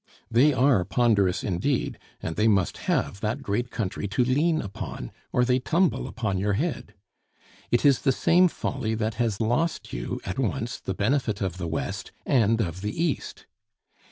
They are ponderous indeed, and they must have that great country to lean upon, or they tumble upon your head. It is the same folly that has lost you at once the benefit of the West and of the East.